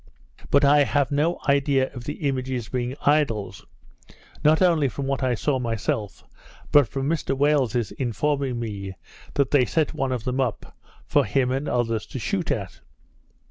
But I have no idea of the images being idols; not only from what I saw myself, but from Mr Wales's informing me that they set one of them up, for him and others to shoot at.